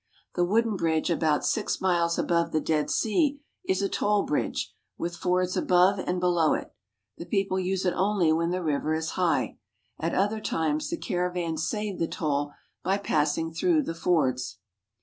The wooden bridge about six miles above the Dead Sea is a toll bridge, with fords above and below it. The people use it only when the river is high. At other times the caravans save the toll by passing through the fords.